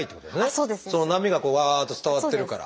その波がこうわっと伝わってるから。